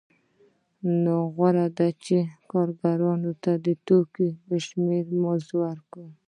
نو غوره ده چې کارګرانو ته د توکو په شمېر مزد ورکړم